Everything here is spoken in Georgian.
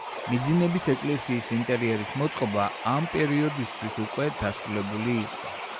მიძინების ეკლესიის ინტერიერის მოწყობა ამ პერიოდისათვის უკვე დასრულებული იყო.